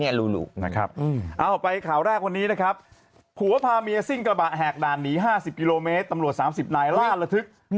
เอาไปข่าวแรกวันนี้นะครับผัวพาเมียซิ่งกระบะแหกด่านหนี๕๐กิโลเมตรตำรวจ๓๐นายล่าระทึก